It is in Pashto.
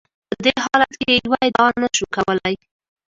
په دې حالت کې یوه ادعا نشو کولای.